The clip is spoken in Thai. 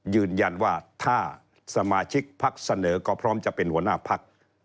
ยืนยันว่าถ้าสมาชิกพักเสนอก็พร้อมจะเป็นหัวหน้าพัก